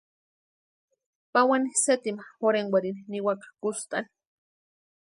Pawani sétima jorhenkwarhini niwaka kustani.